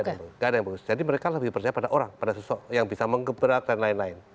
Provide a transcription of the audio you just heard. tidak ada yang bagus jadi mereka lebih percaya pada orang pada sosok yang bisa mengeberat dan lain lain